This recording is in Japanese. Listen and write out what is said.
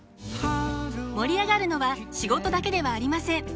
盛り上がるのは仕事だけではありません。